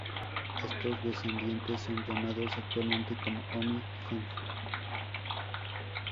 Estos descendientes son llamados actualmente como Ōmi Genji.